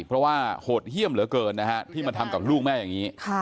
เพราะว่าโหดเยี่ยมเหลือเกินนะฮะที่มาทำกับลูกแม่อย่างนี้